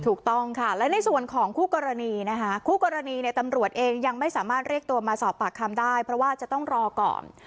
ถูกต้องค่ะและในส่วนของคู่กรณีนะคะคู่กรณีเนี่ยตำรวจเองยังไม่สามารถเรียกตัวมาสอบปากคำได้เพราะว่าจะต้องรอก่อน